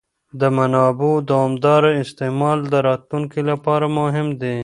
د منابعو دوامداره استعمال د راتلونکي لپاره مهم دی.